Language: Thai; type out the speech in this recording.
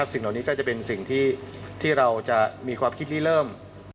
สิ่งเหล่านี้ก็จะเป็นสิ่งที่เราจะมีความคิดลีเริ่ม